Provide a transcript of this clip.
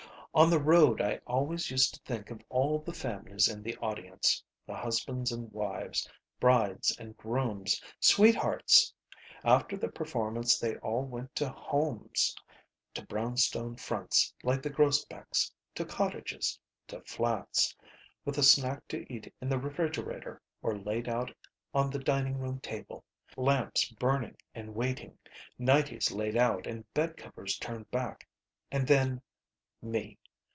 On the road I always used to think of all the families in the audience. The husbands and wives. Brides and grooms. Sweethearts. After the performance they all went to homes. To brownstone fronts like the Grosbecks'. To cottages. To flats. With a snack to eat in the refrigerator or laid out on the dining room table. Lamps burning and waiting. Nighties laid out and bedcovers turned back. And then me.